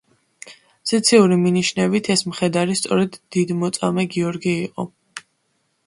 ზეციური მინიშნებით ეს მხედარი სწორედ დიდმოწამე გიორგი იყო.